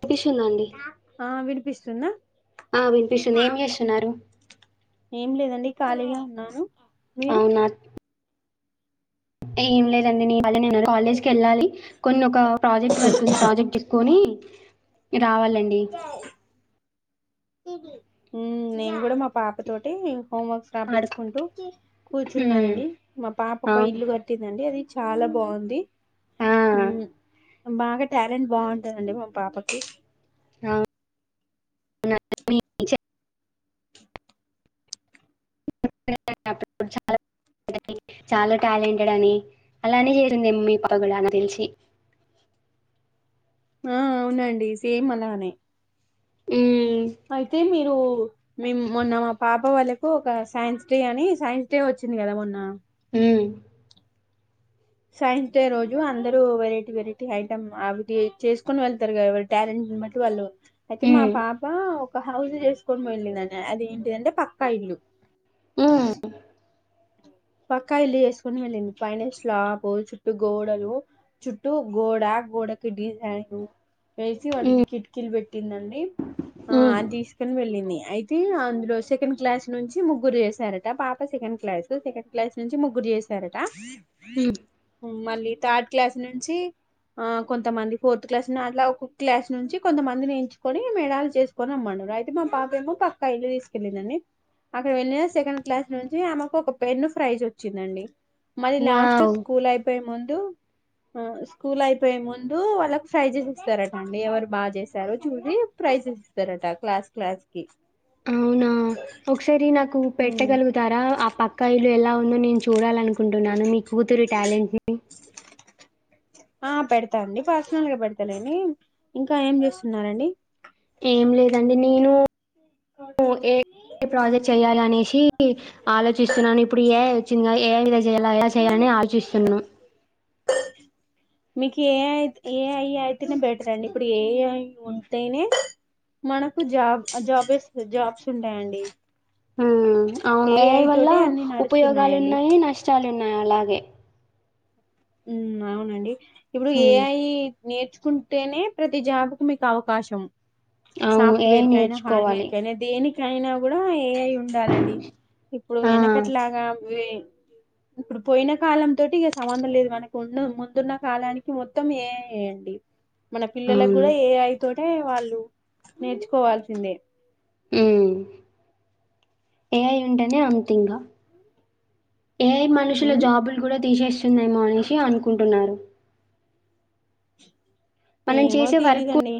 వినిపిస్తుందండి ఆ వినిపిస్తుందా ఆ వినిపిస్తుంది ఏం చేస్తున్నారు ఏం లేదండి ఖాళీగే ఉన్నాను మీరు అవునా ఏం లేదండి నేను నేను కాలేజ్ కి వెళ్ళాలి కొన్ని ఒక ప్రాజెక్ట్ వర్క్ ఉంది ఆ ప్రాజెక్ట్ చేసుకొని రావాలండి నేను కూడా మా పాప తోటి హోమ్ వర్క్స్ ఆడు రాపించుకుంటూ హ్మ్ కూర్చున్నానండి. మా పాప ఒక అవు ఇల్లు కట్టిందండి అది చాలా బాగుంది ఆ బాగా టాలెంట్ బాగుంటుందండి మా పాపకి ఆ [inaudible] అ చాలా [inaudible] చాలా టాలెంటెడ్ అని, అలానే చేసింది మీ పాప కూడా నాకు తెలిసి ఆ అవునండి సేమ్ అలానే, హ్మ్ అయితే మీరు మేము మొన్న మా పాప వాళ్ళకు ఒక సైన్స్ డే అని సైన్స్ డే వచ్చింది కదా మొన్న మ్మ్ సైన్స్ డే రోజు అందరు వెరైటీ వెరైటీ ఐటమ్ అవి చేసుకొని వెళ్తారు కదా వాళ్ళ టాలెంట్ [unintelligible] వాళ్ళు అయితే మా హ్మ్ పాప ఒక హౌస్ చేసుకొని పోయింది అది ఏంటిదంటే పక్కా ఇల్లు హ్మ్ పక్కా ఇల్లు చేసుకుని వెళ్ళింది పైనస్లాపు చుట్టూ గోడలు చుట్టూ గోడ ఆ గోడ కు డి అ ఊ ఏసి వాటికి హ్మ్ కిటికీలు పెట్టిందండి ఆ హ్మ్ అది తీసుకని వెళ్ళింది అయితే అందులో సెకండ్ క్లాస్ నుంచి ముగ్గురు చేశారట పాప సెకండ్ క్లాస్ సెకండ్ క్లాస్ నుంచి ముగ్గురు చేశారట ఉ మళ్ళీ థర్డ్ క్లాస్ నుంచి ఆ కొంతమంది ఫోర్త్ క్లాస్ అట్లా ఒక్క క్లాస్ నుంచి కొంతమందిని ఎంచుకొని మేడలు చేసుకొని రమ్మం రయితే మా పాపెమో పక్కా ఇళ్లు తీసుకెళ్ళిందండి అక్కడ వెళ్ళిన సెకండ్ క్లాస్ నుంచి ఆమెకు ఒక పెన్ను ప్రైజ్ వచ్చిందండి మరి లాస్ట్ వావ్ స్కూల్ అయిపోయే ముందు ఆ స్కూల్ అయిపోయే ముందు వాళ్ళకి ఫ్రైజేస్ ఇస్తారటండి ఎవరు బాగా చేసారు చూసి ఫ్రై ప్రైజెస్ ఇస్తారట క్లాస్ క్లాస్ కి అవునా ఒకసారి నాకు పెట్టగలుగుతారా ఆ పక్కాయిలు ఎలా ముందు నేను చూడాలనుకుంటున్నాను మీ కూతురు టాలెంట్ ని ఆ పెడత అండి పర్సనల్ గా పెడతలేండి ఇంకా ఏం చేస్తున్నరండి ఏం లేదండి నేను ఊ ఏ ప్రాజెక్ట్ చెయాలి అనేసి ని ఆలోచిస్తున్నాను ఇప్పుడు ఏఐ వచ్చింది కదా ఏఐ మీధ చేయాల ఎలా చేయాలని ఆలోచిస్తున్నాను మీకు ఏఐ ఏఐ అయితేనే బెటర్ అండి ఇప్పుడు ఏఐ ఉంటేనే మనకు జాబ్ జాబేస్ జాబ్స్ ఉంటాయండి ఊ అవును ఏ ఏఐ ఐ వల్ల తోటే అన్ని ఉపయోగాలు నడుస్తున్నాయండి ఉన్నాయి నష్టాలు వున్నాయి అలాగే ఉ అవునండి ఇప్పుడు హ్మ్. ఏఐ నేర్చుకుంటేనే ప్రతి జాబుకు మీకు అవకాశం అవును. సాఫ్ట్ ఏఐ వేర్ కయినా హార్డ్వేర్ నేర్చుకోవాలి. కయినా దేనికైనా కూడా ఏఐ ఉండాలండి ఇప్పుడు ఆ! వెనకట్లాగా ఉయ్ ఇప్పుడు పోయిన కాలం తోటి ఇక సంబంధం లేదు మనకు ఉన్న ముందున్న కాలానికి మొత్తం ఏఐ వేయండి మన పిల్లలకు అవును. కూడా ఏఐ అయితోటి అంటే వాళ్ళు నేర్చుకోవాల్సిందే ఊ ఏఐ ఉంటేనే అంత ఇంకా ఏఐ మనుషుల ఉమ్ జాబులు కూడా తీసేస్తుందేమో అనేసి అనుకుంటున్నారు మనం ఏమో చేసే వర్క్ తెలీదండి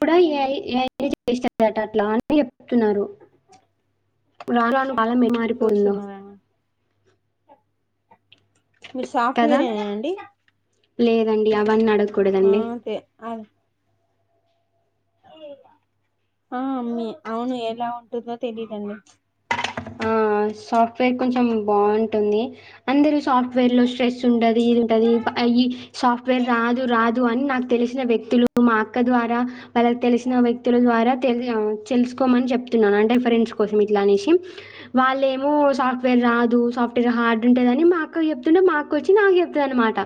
కూడా ఏఐ ఏఐ చెప్పేస్తాందట అట్ల అని చెప్తున్నారు ఉ రారాలు కాలమే మారిపోయిందో చూస్తున్నారా మీరు కదా! సాఫ్ట్వేర్ ఏనా అండి లేదండి అవన్నీ ఆ అడకూడదండి అదే ఆ మీ అవును ఎలా ఉంటుందో తెలిదండి ఆ సాఫ్ట్వేర్ కొంచెం బాగుంటుంది అందరు సాఫ్ట్వేర్ లో స్ట్రెస్ ఉంటది ఇది ఉంటది ఈ సాఫ్ట్వేర్ రాదు రాదు తు అని నాకు తెలిసిన వ్యక్తులు మా అక్క ద్వారా వాళ్ళకి తెలిసిన వ్యక్తుల ద్వారా తెలు తెలుసుకోమని చెప్తున్నాను అంటే ఫరెండ్స్ కోసం ఇట్లా అనేసి వాళ్ళ ఏమో సాఫ్ట్వేర్ రాదు సాఫ్ట్వేర్ హార్డ్ ఉంటదని మా అక్కకు చెప్ తను మాకొచ్చి నాకు చెప్తా అనమాట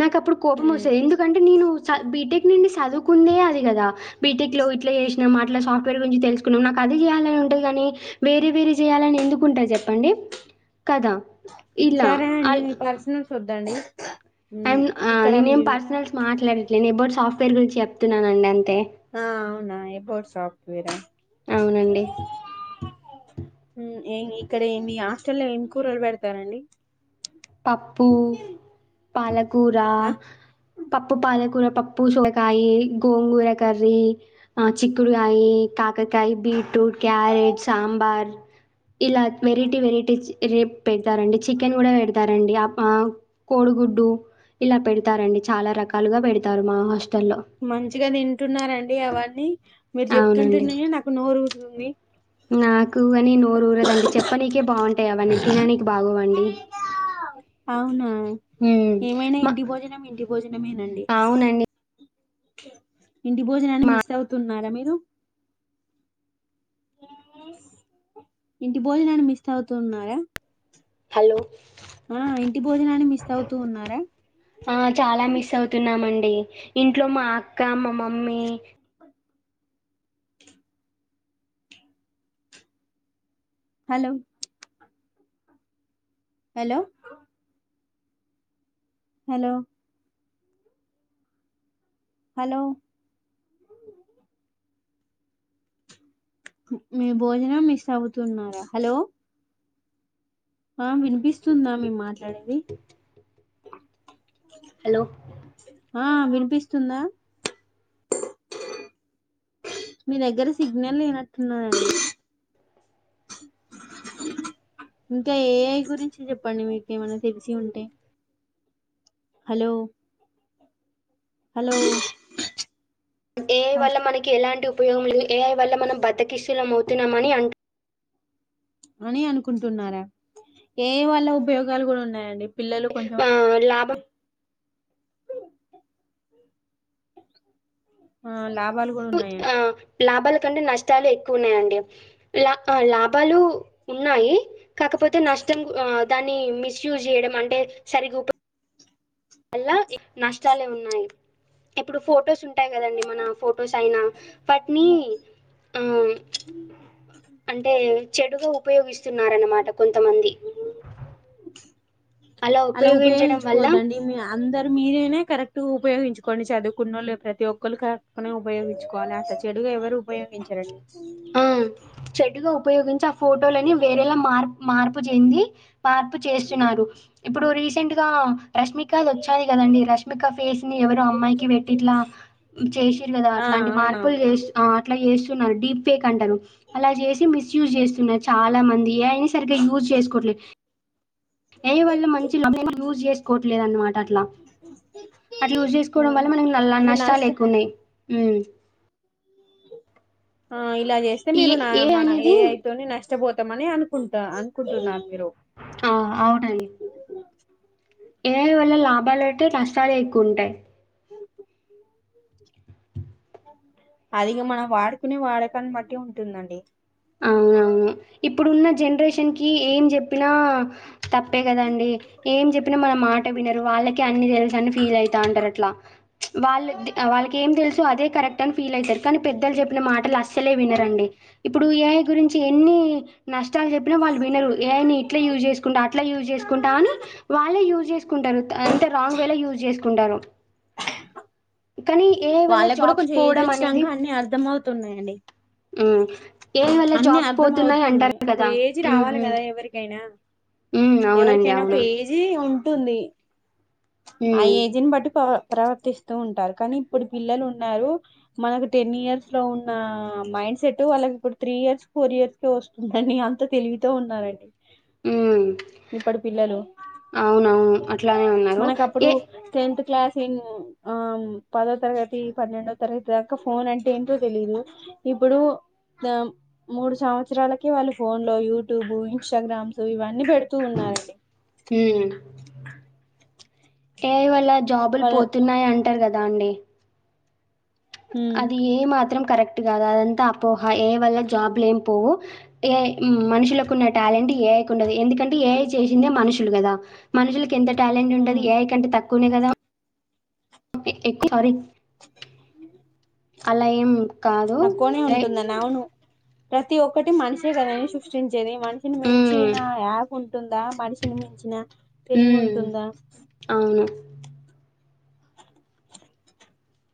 నాకు అప్పుడు కోపం ఉమ్ వస్తది ఎందుకంటే నేను స బీటెక్ నుండి చదువుకుందే అది కదా బీటెక్ లో ఇట్లా చేసినాం అట్లా సాఫ్ట్వేర్ గురించి తెలుసుకున్నాం నాకు ఆ అది చేయాలని ఉంటది కానీ వేరే వేరే చేయాలని ఎందుకుంటది చెప్పండి కదా ఇలా సరే అండి అల్ మీ పర్సనల్స్ వద్దండి ఉమ్ అండ్ ఆ ఇక్కడ నేనేం మీరు పర్సనల్స్ మాట్లాడట్లేను ఎబౌట్ సాఫ్ట్వేర్ గురించి చెప్తున్నానండి అంతే ఆ అవునా ఎబోట్ సాఫ్ట్వేర్ ఆ అవునండి ఏ ఇక్కడి మీ హాస్టల్లో ఎం కూరలు బెడతారండి. పప్పు, పాలకూర, ఆ పప్పు పాలకూర. పప్పు సోలకాయి, గోంగూర కర్రీ, ఆ చిక్కుడుగాయీ, కకకాయి, బీన్. Truth, carrot, sambar. ఇలా వెరైటీ వెరైటీ చి రేప్ పెడతారండి చికెన్ గూడా వెడు తారండి ఆపా కోడుగుడ్డు ఇలా పెడతారండి, చాలా రకాలుగా పెడతారు మా హాస్. మంచిగా తింటున్నారండి అవన్నీ, మీరు అవునండి. చెప్తుంటునే నాకు నోరు ఊరుతుంది. నాకు గాని నోరు ఊరదండి, చెప్పనీకే బాగుంటాయి అవన్నీ తిననికి బాగోవండీ. అవున ఏమైనా మా ఇంటి భోజనం ఇంటి భోజనమేనండి అవునండి. ఇంటి భోజనాన్ని మా మిస్ అవుతున్నారా మీరు ఇంటి భోజనాన్ని మిస్ అవుతున్నారా హలో ఆ ఇంటి భోజనాన్ని మిస్ అవుతూ ఉన్నారా ఎ ఇంట్లో మా అక్క మా mummy hello hello hello hello మీ భోజనం మిస్ అవుతున్నారా ఆ వినిపిస్తుందా మేం మాట్లాడేది హలో ఆ వినిపిస్తుందా మీ దగ్గర సిగ్నల్ లేనట్టున్నాదండి ఇంక ఏ ఐ గురించి చెప్పండి మీకేమన్నా తెలిసి ఉంటే హలో హలో ఏ ఐ వల్ల మనకి ఎలాంటి ఉపయోగం లేదు, ఏ ఐ వల్ల మనం బద్దకిస్తులం అవుతున్నామని అన్. అనీ అనుకుంటున్నారా ఏ ఐ వళ్ళ ఉపయోగాలు గూడా ఉన్నాయండి. పిల్లలు కొంచెం ఆహ్, లాభ ఆ లా [unintelligible] ఆ లాభాల్ కంటే నష్టాలే ఎక్కువ ఉన్నాయండి, లా లాభాలూ ఉన్నాయి. కాకపోతే నష్టం గు ఆ దాన్ని మిస్ యూజ్ చేయడం అంటే సరిగ్గ ఉప. అల్లా ఇ నష్టాలే ఉన్నాయి ఇప్పుడు ఫొటోస్ ఉంటాయి కదండి మన ఫొటోస్ అయినా వాటిని ఆమ్ అంటే చెడుగా ఉపయోగిస్తున్నారన్నమాట కొంతమంది అలా ఉపయోగించడం వల్ల ఉపయోగించుకోవద్దండి మీ అందర్ మీరైనా కరెక్ట్ గ ఉపయోగించుకోండి చదువుకున్నోళ్ళే, ప్రతి ఒక్కళ్ళు కరెక్ నే ఉపయోగించుకోవాలి అత చెడు. గే ఎవరు ఉపయోగించరండి ఆ చెడుగా ఉపయోగించి ఆ ఫోటోలని వేరేలా మార్ మార్పు చెంది మార్పు చేస్తున్నారు ఇప్పుడు రీసెంట్ గా రష్మికాది వచ్చాయ్ గదండి, రష్మిక ఫేస్ ని ఎవరో అమ్మాయికి పెట్టి ఇట్లా చేసిరు గదా ఆ అట్లా. లాంటి అవునా మార్పులు చేసి ఆ అట్లా చేస్సున్నారు డీప్ ఫేక్ అంటారు అలా చేసి మిస్యూజ్ చేస్తున్నారు చాలా మంది, ఏ ఐ ని సరిగ్గా యూజ్ చేసుకోవట్లే. ఏ ఐ వల్ల మంచి [unintelligible] యూజ్ చేసుకోవట్లేదన్నమాట అట్లా అట్లా యూజ్ చేసుకోవడం వల్ల మన నల్ల అంటే నష్టాలు నష్ట ఎక్కువున్నాయ్ ఊ. ఆ ఇలా జేస్తే ఈ మీరు నా ఏఐ మన ఏ అనేది ఐ తోని నష్. చ్చబోతామని అనుకుంటా అనుకుంటున్నారు. మీరు ఆ అవునయి ఏ ఐ వల్ల లాభా లంటె కష్టాలే ఎక్కువ ఉంటాయ్ అదిగా మనం వాడుకునే వాడకన్ని బట్టి ఉంటుందండి అవును ఇప్పుడున్న జనరేషన్ కి ఏం చెప్పినా తప్పే కదండి ఎం ఎం చెప్పిన మన మాట వినరు వాళ్ళకే అన్ని తెలుసని ఫీల్ అవుతా ఉంటారు అట్లా వాళ్ళు వాళ్ళకి ఏం తెలుసు అదే కరెక్ట్ అని ఫీల్ అవుతారు కానీ పెద్దలు చెప్పిన మాటలు అ అసలే వినరండి ఇప్పుడు ఏఐ గురించి ఎన్ని నష్ ష్టాలు చెప్పినా వాళ్ళు వినరు ఏ ఐ నీ ఇట్లా యూస్ చేసుకుంటా అట్లా యూస్ చేసుకుంటా అని వాళ్ళే యూస్ చే కుంటారు అంటే రాంగ్ వేల యూజ్ చేసుకుంటారు. కానీ ఏ ఐ వల్ల వాళ్ళకి కూడా జాబ్స్ కొంచెం ఏజ్ పోవడం వచ్చినాక అనేది అన్ని అర్థం అవుతున్నాయండి ఉమ్ ఏ ఐ వల్ల అన్ని జాబ్స్ అర్థం పోతున్నాయి అవుతున్నాయి అంటారు ఒక కదా ఏజ్ ఉమ్ రావాలి ఉమ్ కదా ఎవరికైనా ఎవరికైనా ఒక ఏజీ ఉం ఉంటుంది ఆ హ్మ్. ఏజ్ని బట్టి ప్ర ప్రవర్తిస్తూ ఉంటారు కానీ ఇప్పుడు పిల్లలు ఉన్నారు మనకు టెన్ ఇయర్స్ లో ఉన్న మైండ్ సెట్ వాళ్ళకి ఇప్పుడు త్రీ ఇయర్స్ ఫోర్ ఇయర్స్ కే వస్తుందని అంత తెలివితో ఉన్నారండి హ్మ్. ఇప్పడు పిల్లలు అవునవును. అట్లానే ఉన్నారు. మనకు అప్పుడు ఏ టెన్త్ క్లాస్ ఇన్ ఆ పదో తరగతి పన్నెండో తరగతి దాకా ఫోన్ అంటే ఏంటో తెలీదు ఇప్పుడు దాం మూడు సంవత్సరాలకె వాళ్ళు ఫోన్ లో యూట్యూబ్ ఇన్స్టాగ్రామ్స్ ఇవన్నీ అన్ని పెడుతూ ఉన్నారండి హ్మ్. ఏఐ వల్ల జాబులు వాళ్ళ పోతున్నాయి అంటారు కదా అండి ఉమ్ అది ఏ మాత్రం కరెక్ట్ కాదు అదంతా అపోహ ఏ ఐ వల్ల జాబ్లు ఏం పోవు ఏ ఐ మనుషులకున్న టాలెంట్ ఏఐ ఉండదు ఎందుకంటే ఏఐ చేసిందే మనుషులు కదా మనుషులకి కి ఎంత టాలెంట్ ఉండది ఉమ్ ఏఐ కంటే తక్కువనే కదా ఓకే ఎక్కు సారీ అలా ఏం కాదు తక్కువనే రై ఉంటుందని అవును ప్రతి ఒక్కటి మనిషె కదా అన్ సృష్టిం చేది మనిషిని హ్మ్. మించిన యాప్ ఉంటుందా మనిషిని మించిన తెలివి హ్మ్. ఉంటుందా అవును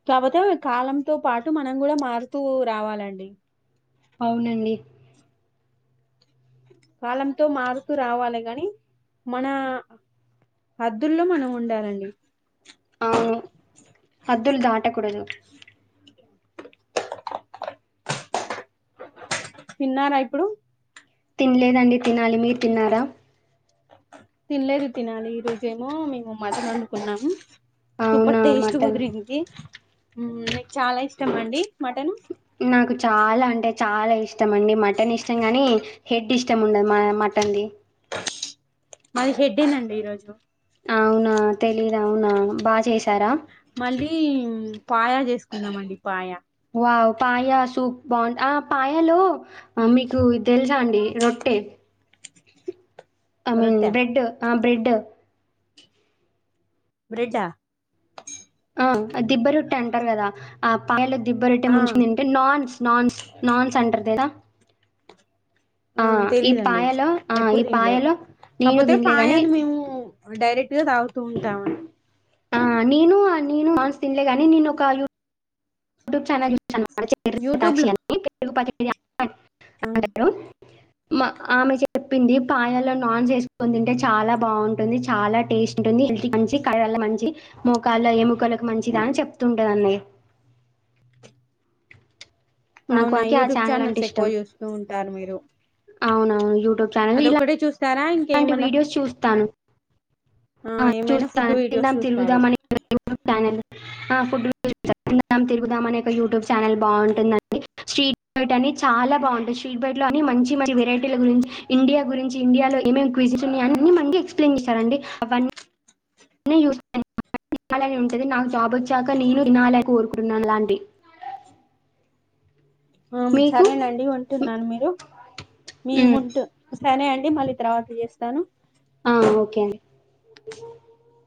కాపోతే కాలంతో పాటు మనం కూడా మారుతూ రావాలండి అవునండి కాలంతో మారుతూ రావాలి గాని మన హద్దుల్లో మనం ఉండాలండి అవును హాద్దులు దాటకూడదు తిన్నారా ఇప్పుడు తినలేదండి తినాలి మీరు తిన్నారా తినలేదు తినాలి ఈ రోజేమో మేము మటన్ వండుకున్నాం సూపర్ అవునా టేస్ట్ మటన్ కుదిరింది మీకు చాలా ఇష్టం అండి మటన్ నాకు చాలా అంటే చాలా ఇష్టం అండి మటన్ ఇష్టం కానీ హెడ్ ఇష్టం ఉండదు మ మటన్ది మాది హెడ్డేనండి ఈరోజు అవునా తెలీదు అవునా బా చేసారా మళ్ళీ పాయా చేసుకుంన్నాంమండి పాయా వావ్ పాయా సూప్ బాగు ఆ పాయాలో ఆ మిక్ కు తెల్సా అండి రొట్టె ఐ మీన్ రొట్టె బ్రెడ్ ఆ బ్రెడ్ బ్రెడ్డా ఆ దిబ్బ రొట్టె అంటారు కదా ఆ పాయలో దిబ్బరట్టే ఆ ముంచుకొని తింటే నాన్స్ నాన్స్ నాన్స్ అంటారు తెల్సా అ తెలియదండి పాయలో ఆ ఎప్పుడు ఈ తిన్లే పాయలో నేను కాకపోతే తినలే గాని పాయాన్ని మేము డైరెక్ట్ తాగుతూ ఉంటామండి. ఆ నేను నేనున్స్ తిన్లే గాని నేను ఒక యూట్యూబ్ ఛానల్ యూట్యూబ్ చూాక్షి అనిరు ప లో అడు! మా ఆమె చెప్పింది పాయాల్లో నాన్స్ వేసుకని తింటే చాలా బాగుంటుంది చాలా టేస్ట్ ఉంటుంది హ మంచి కళ్ల మంచి మోకాలు ఏముకలకు మంచిది అని చెప్తుంటాదండి నాకు అవునా అందుకే ఆ యూట్యూబ్ ఛానల్ అంటే ఛానల్స్ ఇష్టం ఎక్కువ చూస్తూ ఉంటారు మీరు. అవునవును యూట్యూబ్ ఛానల్ అదొక్కడే చూస్త్ ఇలాంటి వీడియోస్ చూస్తాను ఆ ఏమైనా ఫుడ్ చూస్తాను వీడియోస్ తిందాం చూస్తారు తిరుగుదాం అని పనల్ ఫుడ్! తిరుదాం అనే ఒక యూట్యూబ్ ఛానల్ బాగుంటుందండి. స్ట్రీట్ బైట్ అని చాలా బాగుంటాయి స్ట్రీట్ బైట్ లో అన్ని మంచి మంచి వెరైటీల గురించి ఇండియా గురించి ఇండియా ఏమేమి క్విజిస్ ఉన్నాయి అన్ని మన ఎక్స్ప్లె న్! చేస్తారండి అ యూజ! తినాలని ఉంటుది నాకు జాబ్ వచ్చాక నేను తినాలే కోరుకుంటున్నాను లాంటి ఆ మీకు సరేనండి ఉంటున్నాను మీరు మీ ఉంటు సరే అండి మళ్ళీ తర్వాత చేస్తాను ఆ ఓకే అండి